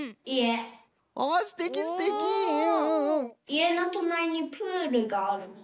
いえのとなりにプールがあるの。